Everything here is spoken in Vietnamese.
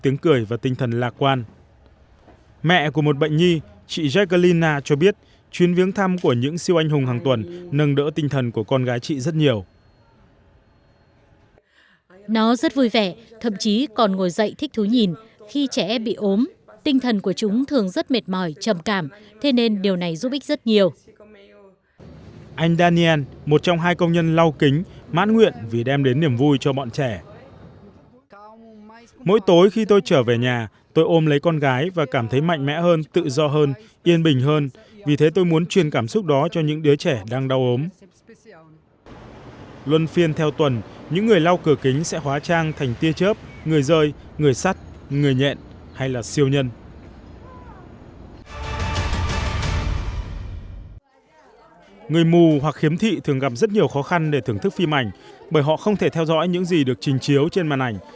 người mù hoặc khiếm thị thường gặp rất nhiều khó khăn để thưởng thức phim ảnh bởi họ không thể theo dõi những gì được trình chiếu trên màn ảnh